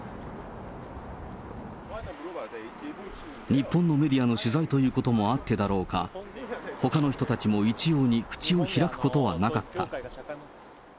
日本のメディアの取材ということもあってだろうか、ほかの人たちもいちように、口を開くことはなかった。